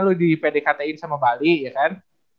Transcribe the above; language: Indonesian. lu di pdkti sama bali ya kan